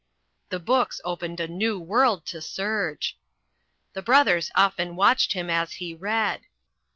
The books opened a new world to Serge. The brothers often watched him as he read.